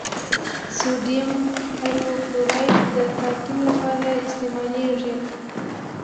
سوډیم هایپوکلورایټ د تعقیم لپاره استعمالیږي.